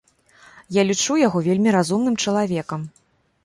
Я лічу яго вельмі разумным чалавекам.